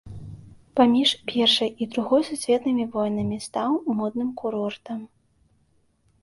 Паміж першай і другой сусветнымі войнамі стаў модным курортам.